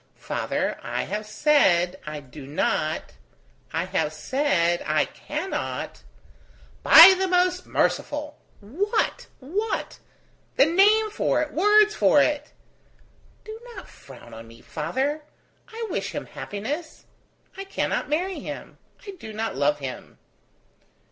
"Father! I have said I do not ... I have said I cannot ..." "By the most merciful! what? what? the name for it, words for it!" "Do not frown on me, father. I wish him happiness. I cannot marry him. I do not love him."